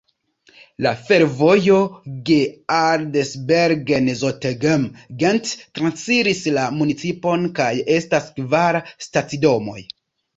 La fervojo Geraardsbergen-Zottegem-Gent transiras la municipon kaj estas kvar stacidomoj.